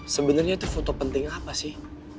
sebenarnya itu foto penting apa sih